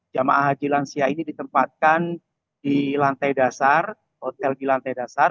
jemaah haji lansia ini ditempatkan di lantai dasar hotel di lantai dasar